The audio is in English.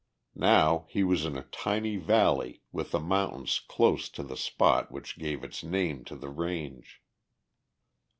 Now he was in a tiny valley with the mountains close to the spot which gave its name to the range.